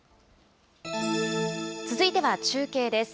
続いては中継です。